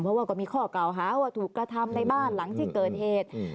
เพราะว่าก็มีข้อกล่าวหาว่าถูกกระทำในบ้านหลังที่เกิดเหตุ